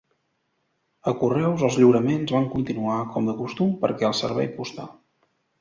A correus, els lliuraments van continuar com de costum perquè el servei postal.